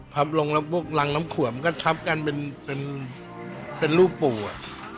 ลงแล้วพวกรังน้ำขวมก็ทับกันเป็นรูปปู่อ่ะ